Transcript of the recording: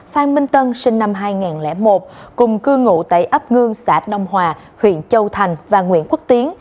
phan minh tân sinh năm hai nghìn một cùng cư ngụ tại ấp ngưng xã đông hòa huyện châu thành và nguyễn quốc tiến